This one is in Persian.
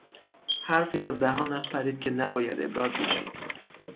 حرفی از دهانش پرید که نباید ابراز میشد.